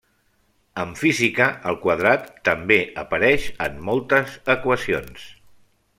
En física el quadrat també apareix en moltes equacions.